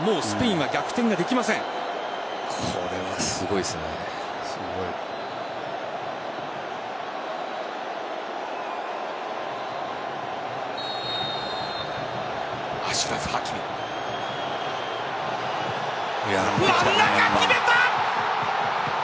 真ん中、決めた！